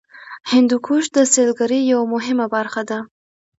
هندوکش د سیلګرۍ یوه مهمه برخه ده.